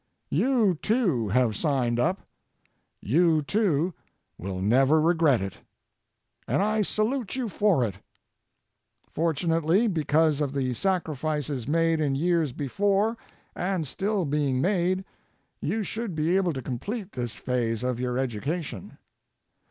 You, too, have signed up. You, too, will never regret it. And I salute you for it. Fortunately, because of the sacrifices made in years before and still being made, you should be able to complete this phase of your education.